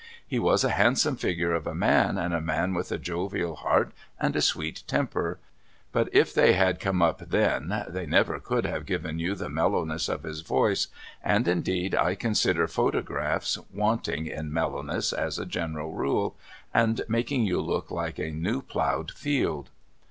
He was a handsome figure of a man, and a man with a jovial heart and a sweet temper ; but if they had come up then they never could have given you the mellowness of his voice, and indeed I consider photographs wanting in mellow ness as a general rule and making you look like a new ploughed field.